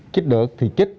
chích được thì chích